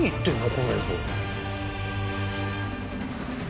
この映像。